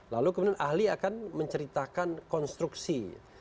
lalu kemudian ahli akan menceritakan konstruksi